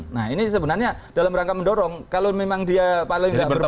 nah ini sebenarnya dalam rangka mendorong kalau memang dia paling tidak